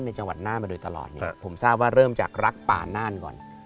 จังหวัดน่านมาโดยตลอดเนี่ยผมทราบว่าเริ่มจากรักป่าน่านก่อน